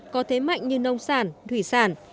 có thế mạnh như nông sản thủy sản